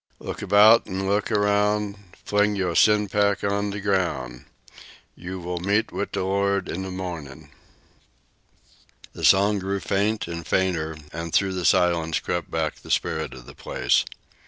Look about an' look aroun' Fling yo' sin pack on d' groun' (Yo' will meet wid d' Lord in d' mornin'!)." The song grew faint and fainter, and through the silence crept back the spirit of the place.